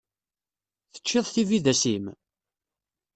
Teččiḍ tibidas-im?